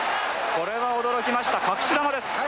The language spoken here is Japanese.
これは驚きました隠し球です。